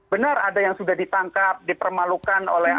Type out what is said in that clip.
benar ada yang sudah ditangkap dipermalukan oleh